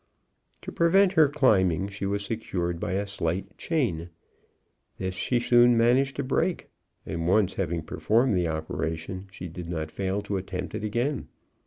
To prevent her climbing, she was secured by a slight chain. This she soon managed to break, and once having performed the operation, she did not fail to attempt it again.